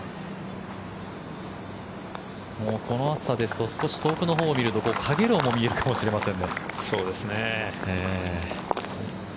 この暑さですと少し遠くのほうを見るとかげろうも見えるかもしれませんね。